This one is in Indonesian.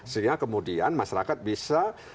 sehingga kemudian masyarakat bisa